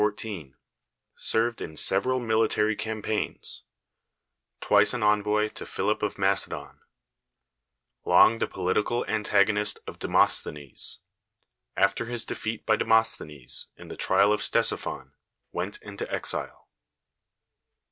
died in 314; served in several military campaigng; twice an envoy to Philip of Macedon; long the political antagonist of Demosthenes ; after his defeat by Demosthenes, in the trial of Ctesiphon, went into exile.